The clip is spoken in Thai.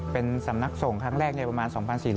เป็นสำนักส่งครั้งแรกในประมาณ๒๔๐๐